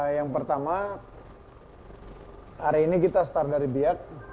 yang pertama hari ini kita start dari biak